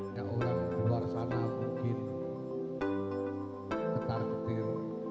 orang orang di luar sana mungkin ketar ketir